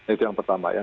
itu yang pertama